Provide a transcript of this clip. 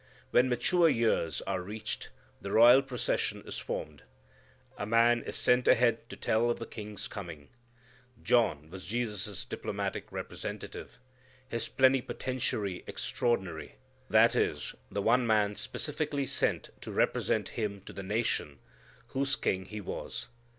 When mature years are reached, the royal procession is formed. A man is sent ahead to tell of the King's coming. John was Jesus' diplomatic representative, His plenipotentiary extraordinary; that is, the one man specifically sent to represent Him to the nation whose King He was.